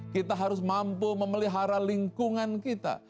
kita harus mampu memelihara lingkungan kita